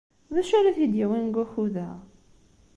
D acu ara t-id-yawin deg wakud-a?